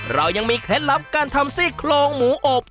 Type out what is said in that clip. เรายังมีเคล็ดลับการทำซี่โครงหมูอบ